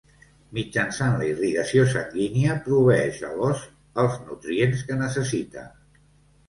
Mitjançant la irrigació sanguínia proveeix a l'os els nutrients que necessita.